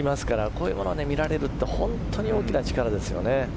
こういうものを見られるって本当に大きな力ですよね。